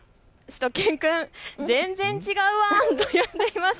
しゅと犬くん、全然違うワン！と言っています。